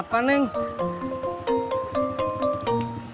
ya mungkin gantietzt itu weh